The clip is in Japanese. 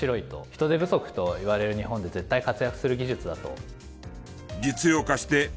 人手不足といわれる日本で絶対活躍する技術だと。